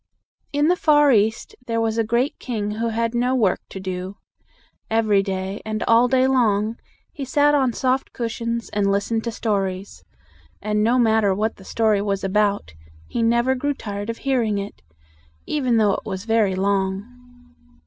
In the Far East there was a great king who had no work to do. Every day, and all day long, he sat on soft cush ions and lis tened to stories. And no matter what the story was about, he never grew tired of hearing it, even though it was very long.